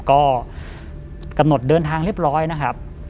ก็กำหนดเดินทางเรียบร้อยนะครับ